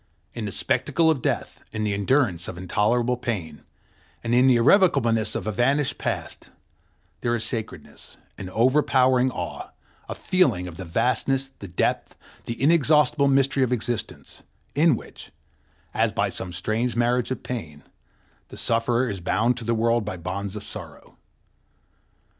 In the spectacle of Death, in the endurance of intolerable pain, and in the irrevocableness of a vanished past, there is a sacredness, an overpowering awe, a feeling of the vastness, the depth, the inexhaustible mystery of existence, in which, as by some strange marriage of pain, the sufferer is bound to the world by bonds of sorrow.